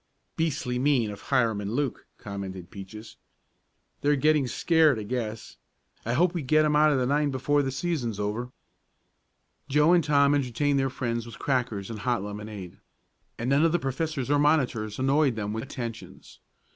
"Beastly mean of Hiram and Luke," commented Peaches. "They're getting scared I guess. I hope we get 'em out of the nine before the season's over." Joe and Tom entertained their friends with crackers and hot lemonade, and none of the professors or monitors annoyed them with attentions.